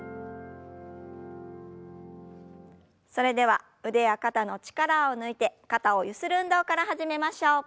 それでは腕や肩の力を抜いて肩をゆする運動から始めましょう。